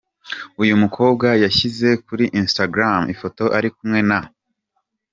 Uyu mukobwa yashyize kuri Instagram ifoto ari kumwe na